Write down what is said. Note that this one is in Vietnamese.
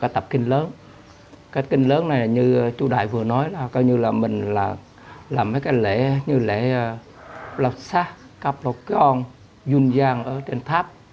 trên cáp một con dung dàng ở trên tháp